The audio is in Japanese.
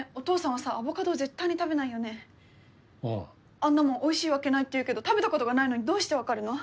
あんなもんおいしいわけないって言うけど食べたことがないのにどうして分かるの？